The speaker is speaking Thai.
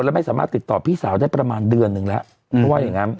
แล้วไม่สามารถติดต่อพี่สาวได้ประมาณเดือนหนึ่งแล้ว